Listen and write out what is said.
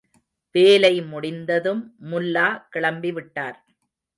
வேலை முடிந்ததும் முல்லா கிளம்பிவிட்டார்.